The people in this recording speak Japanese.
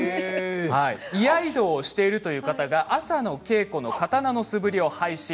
居合道をしているという方が朝の稽古の刀の素振りを配信。